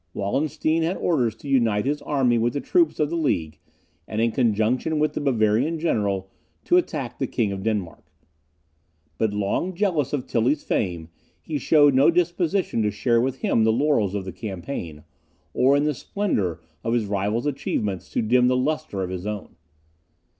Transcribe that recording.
Wallenstein had orders to unite his army with the troops of the League, and in conjunction with the Bavarian general to attack the King of Denmark. But long jealous of Tilly's fame, he showed no disposition to share with him the laurels of the campaign, or in the splendour of his rival's achievements to dim the lustre of his own.